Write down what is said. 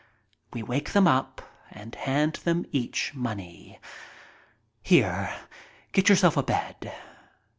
We wake them up and hand them each money. "Here, get yourself a bed."